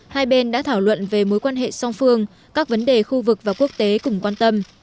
hai bên đã thảo luận về mối quan hệ song phương các vấn đề khu vực và quốc tế cùng quan tâm